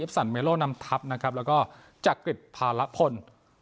สันเมโลนำทัพนะครับแล้วก็จักริจภาระพล